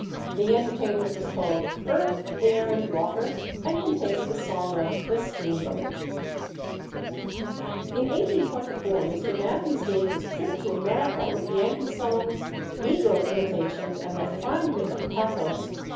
The entertainment was called "Earth, Air, and Water," and contained the song of "The Steam Boat." In 1824 Mr. Mathews gave his "Trip to America," with Yankee songs, negro imitations, and that fine bit of pathos, "M.